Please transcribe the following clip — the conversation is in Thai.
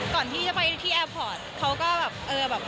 ก่อนที่จะไปที่แอร์พอร์ตเขาก็แบบเออแบบ